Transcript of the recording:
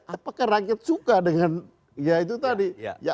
apakah rakyat suka dengan ya itu tadi